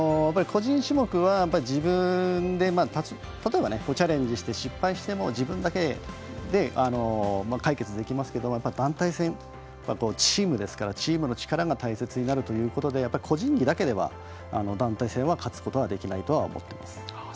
個人種目は自分で例えばチャレンジして失敗しても自分だけで解決できますけど団体戦だとチームですからチームの力が大切になるということで個人技だけでは、団体戦は勝つことはできないと思ってます。